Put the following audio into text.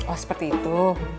oh seperti itu